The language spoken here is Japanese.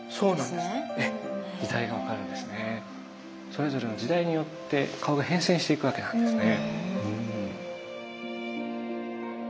それぞれの時代によって顔が変遷していくわけなんですね。